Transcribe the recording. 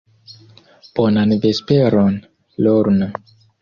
Bonan vesperon, Lorna.